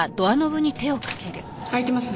開いてますね。